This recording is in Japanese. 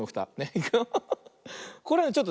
いくよ。